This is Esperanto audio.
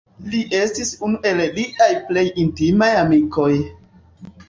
Li estis unu el liaj plej intimaj amikoj.